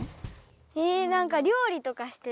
えなんかりょう理とかしてた？